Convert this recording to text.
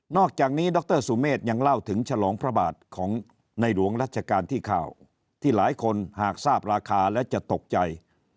อกจากนี้ดรสุเมฆยังเล่าถึงฉลองพระบาทของในหลวงรัชกาลที่๙ที่หลายคนหากทราบราคาและจะตกใจ